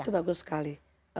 itu bagus sekali